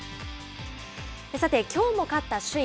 さてきょうも勝った首位